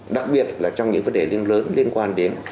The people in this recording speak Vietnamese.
đặc biệt là trong những vấn đề lớn liên quan đến